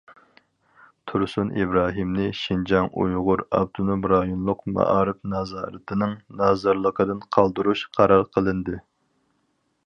تۇرسۇن ئىبراھىمنى شىنجاڭ ئۇيغۇر ئاپتونوم رايونلۇق مائارىپ نازارىتىنىڭ نازىرلىقىدىن قالدۇرۇش قارار قىلىندى.